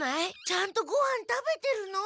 ちゃんとごはん食べてるの？